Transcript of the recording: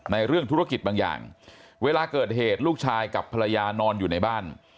เรื่องธุรกิจบางอย่างเวลาเกิดเหตุลูกชายกับภรรยานอนอยู่ในบ้าน